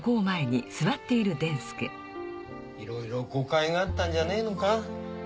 いろいろ誤解があったんじゃねえのか。